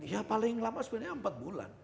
ya paling lama sebenarnya empat bulan